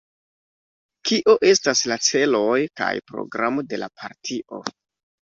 Kio estas la celoj kaj programo de la partio?